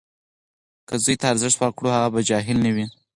که زوی ته ارزښت ورکړو، هغه به جاهل نه وي.